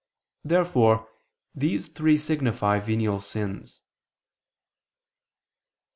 Therefore these three signify venial sins.